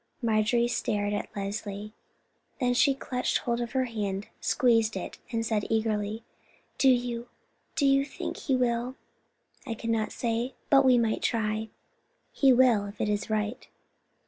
Marjorie stared at Leslie, then she clutched hold of her hand, squeezed it, and said eagerly: "Do you—do you think He will?" "I cannot say; but we might try. He will, if it is right."